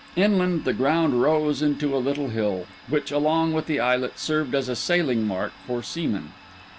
Inland the ground rose into a little hill, which, along with the islet, served as a sailing mark for seamen.